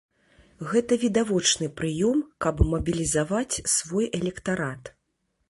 Гэта відавочны прыём, каб мабілізаваць свой электарат.